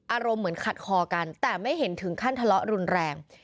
อารมณ์เหมือนขัดคอกันแต่ไม่เห็นถึงขั้นทะเลาะรุนแรง